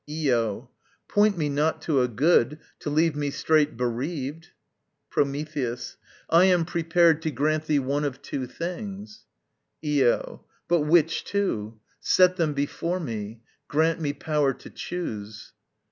Io. Point me not to a good, To leave me straight bereaved. Prometheus. I am prepared To grant thee one of two things. Io. But which two? Set them before me; grant me power to choose.